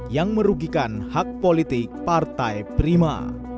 yang merugikan hak politik partai prima